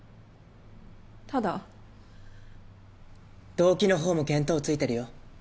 動機のほうも見当ついてるよ。